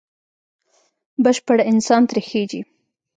بشپړ انسان ترې خېژي.